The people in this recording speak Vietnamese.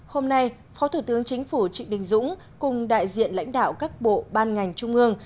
hôm nay phó thủ tướng chính phủ trịnh đình dũng cùng đại diện lãnh đạo các bộ ban ngành trung ương